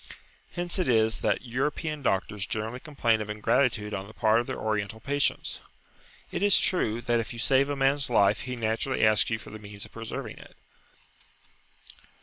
Hence it is that European doctors generally complain of ingratitude on the part of their Oriental patients. It is true that if you save a man's life, he naturally asks you for the means of preserving it.